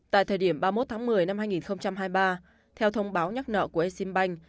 tại thời điểm ba mươi một tháng một mươi năm hai nghìn hai mươi ba theo thông báo nhắc nợ của e sim banh